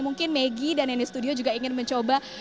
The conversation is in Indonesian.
mungkin megi dan nenis studio juga ingin mencoba